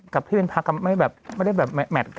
กับที่เป็นพักไม่แบบไม่ได้แบบแมทกัน